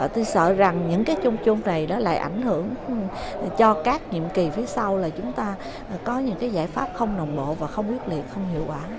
tôi sợ rằng những cái chung chung này nó lại ảnh hưởng cho các nhiệm kỳ phía sau là chúng ta có những cái giải pháp không nồng bộ và không quyết liệt không hiệu quả